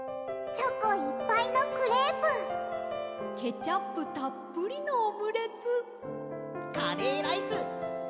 「チョコいっぱいのクレープ」「ケチャップたっぷりのオムレツ」「カレーライス！